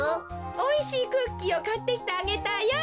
おいしいクッキーをかってきてあげたよ。